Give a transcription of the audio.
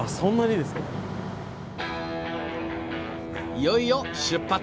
いよいよ出発。